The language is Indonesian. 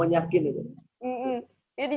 yakin bawa yakin itu